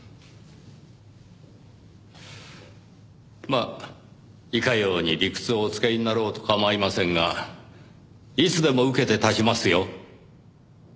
まあいかように理屈をお使いになろうと構いませんがいつでも受けて立ちますよ。